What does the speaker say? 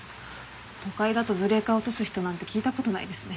都会だとブレーカーを落とす人なんて聞いた事ないですね。